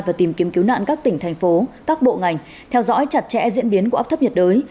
và tìm kiếm cứu nạn các tỉnh thành phố các bộ ngành theo dõi chặt chẽ diễn biến của áp thấp nhiệt đới